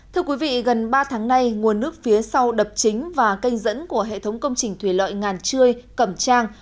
thưa quý vị gần ba tháng nay nguồn nước phía sau đập chính và kênh dẫn của hệ thống công trình thủy lợi ngàn trươi cẩm trang